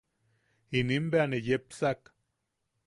Inim bea ne yepsak.